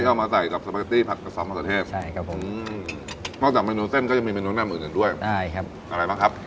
ที่เอามาใส่กับสปาเก็ตตี้ผัดกับซองมะสะเทศนอกจากเมนูเส้นก็มีเมนูน้ำอื่นด้วยอะไรบ้างครับ